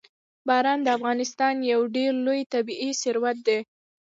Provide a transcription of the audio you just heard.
باران د افغانستان یو ډېر لوی طبعي ثروت دی.